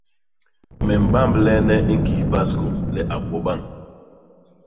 Me mbamblene ñkis baskô le a kwo bañ.